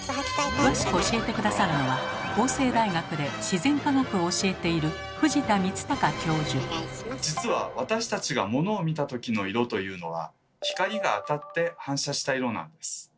詳しく教えて下さるのは法政大学で自然科学を教えている実は私たちが物を見たときの色というのは光が当たって反射した色なんです。